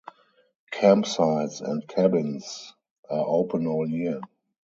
Campsites and cabins are open all year.